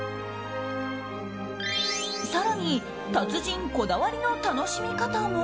更に達人こだわりの楽しみ方も。